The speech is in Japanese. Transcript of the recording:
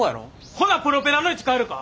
ほなプロペラの位置変えるか？